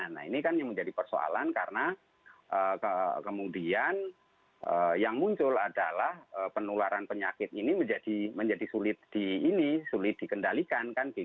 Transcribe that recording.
nah ini kan yang menjadi persoalan karena kemudian yang muncul adalah penularan penyakit ini menjadi sulit dikendalikan